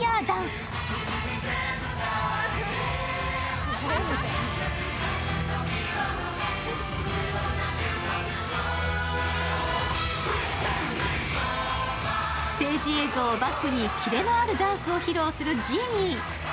ステージ映像をバックに、キレのあるダンスを披露するジーニー。